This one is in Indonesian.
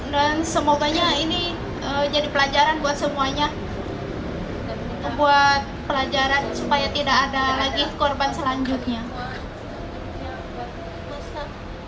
dan semoga ini jadi pelajaran buat semuanya buat pelajaran supaya tidak ada lagi korban selanjutnya